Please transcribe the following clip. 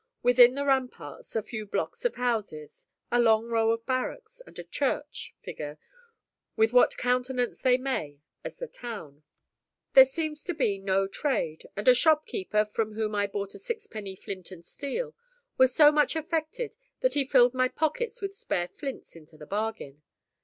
Within the ramparts, a few blocks of houses, a long row of barracks, and a church, figure, with what countenance they may, as the town. There seems to be no trade; and a shopkeeper from whom I bought a sixpenny flint and steel, was so much affected that he filled my pockets with spare flints into the bargain.